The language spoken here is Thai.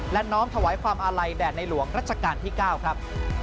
และน้อมถวายความอาลัยแด่ในหลวงรัชกาลที่๙ครับ